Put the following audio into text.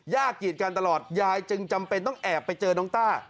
กีดกันตลอดยายจึงจำเป็นต้องแอบไปเจอน้องต้า